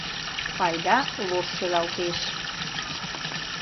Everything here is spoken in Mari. Пайда лош шелалтеш.